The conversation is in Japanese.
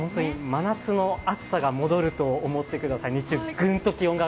真夏の暑さが戻ると思ってください。